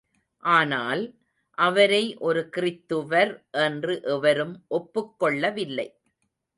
ஆனால், அவரை ஒரு கிறித்துவர் என்று எவரும் ஒப்புக் கொள்ளவில்லை.